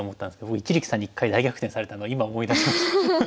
僕一力さんに１回大逆転されたの今思い出しました。